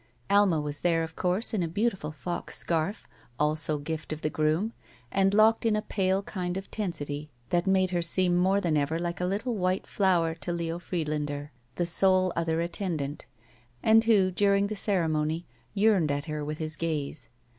Alma was there, of course, in a beautiful fox scarf, also gift of the groom, and locked in a pale kind of tensity that made her seem more than ever like a Uttle white flower to Leo Friedlander, the sole other attendant, and who during the ceremony yearned at her with his gaze.